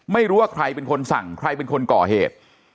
ไม่รู้ว่าใครเป็นคนสั่งใครเป็นคนก่อเหตุ